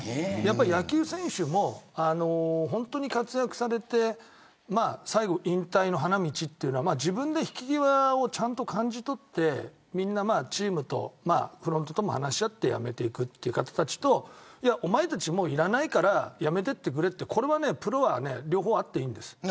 野球選手も本当に活躍されて最後、引退の花道というのは自分で引き際をちゃんと感じ取ってチームとフロントと話し合って辞めていくという形とおまえたち、もういらないからやめてくれって言われるのはプロは両方あっていいんです。